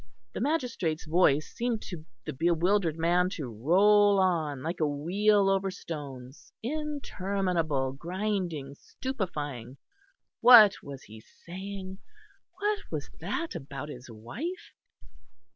The magistrate's voice seemed to the bewildered man to roll on like a wheel over stones; interminable, grinding, stupefying. What was he saying? What was that about his wife?